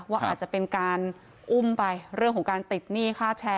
ว่าอาจจะเป็นการอุ้มไปเรื่องของการติดหนี้ค่าแชร์